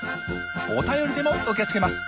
お便りでも受け付けます。